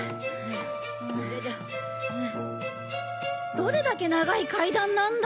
どれだけ長い階段なんだ！？